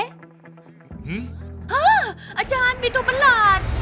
ฮะอาจารย์มิตุบัลล่ะ